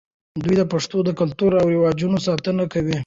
دوی د پښتنو د کلتور او رواجونو ساتنه کوله.